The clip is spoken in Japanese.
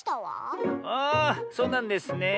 ああそうなんですね。